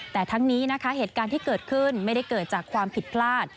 แต่ทั้งนี้นะคะเหตุการณ์ที่เกิดขึ้นไม่ได้เกิดจากความผิดพลาด